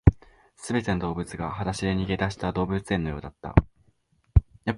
全ての動物が裸足で逃げ出した動物園のようだった